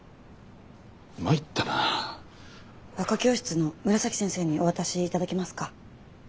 和歌教室の紫先生にお渡し頂けますか？